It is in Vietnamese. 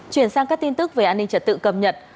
chuyển sang các tin tức về an ninh trật tự cầm nhận